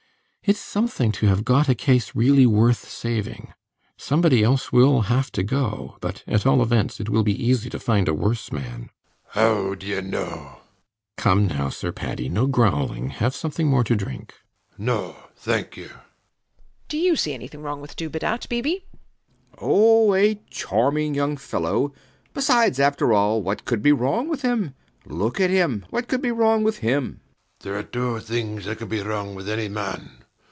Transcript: It's something to have got a case really worth saving. Somebody else will have to go; but at all events it will be easy to find a worse man. SIR PATRICK. How do you know? RIDGEON. Come now, Sir Paddy, no growling. Have something more to drink. SIR PATRICK. No, thank you. WALPOLE. Do you see anything wrong with Dubedat, B. B.? B. B. Oh, a charming young fellow. Besides, after all, what could be wrong with him? Look at him. What could be wrong with him? SIR PATRICK. There are two things that can be wrong with any man.